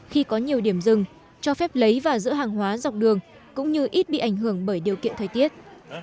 khi có nhiều điểm rừng cho phép lấy và giữ hàng hóa dọc đường cũng như ít bị ảnh hưởng bởi điều kiện thời tiết